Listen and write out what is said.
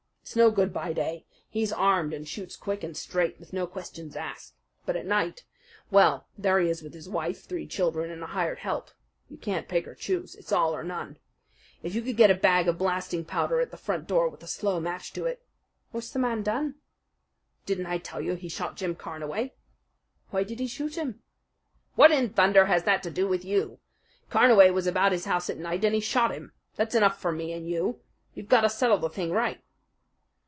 It's no good by day. He's armed and shoots quick and straight, with no questions asked. But at night well, there he is with his wife, three children, and a hired help. You can't pick or choose. It's all or none. If you could get a bag of blasting powder at the front door with a slow match to it " "What's the man done?" "Didn't I tell you he shot Jim Carnaway?" "Why did he shoot him?" "What in thunder has that to do with you? Carnaway was about his house at night, and he shot him. That's enough for me and you. You've got to settle the thing right."